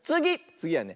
つぎはね